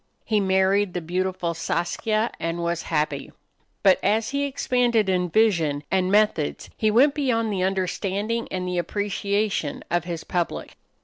He married the beautiful Saskia and was happy. But as he expanded in vision and methods he went beyond the understanding and the appreciation of his public.